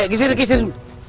eh ke sini ke sini